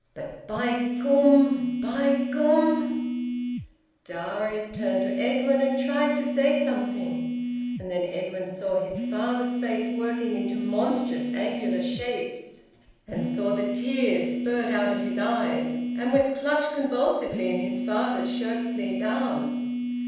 But by gum by gum " Darius turned to Edwin, and tried to say something; and then Edwin saw his father's face working into monstrous angular shapes, and saw the tears spurt out of his eyes, and was clutched convulsively in his father's shirt sleeved arms.